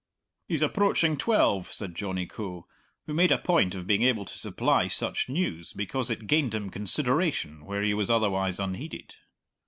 "He's approaching twelve," said Johnny Coe, who made a point of being able to supply such news because it gained him consideration where he was otherwise unheeded.